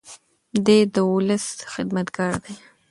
دی د ولس خدمتګار دی.